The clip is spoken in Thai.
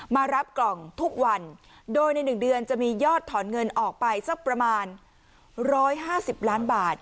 มารับกล่องทุกวันโดยใน๑เดือนจะมียอดถอนเงินออกไปสักประมาณ๑๕๐ล้านบาท